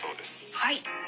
はい。